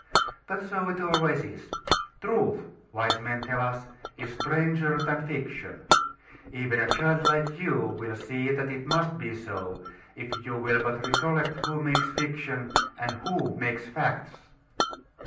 But so it always is. "Truth," wise men tell us, "is stranger than fiction." Even a child like you will see that it must be so, if you will but recollect who makes fiction, and who makes facts.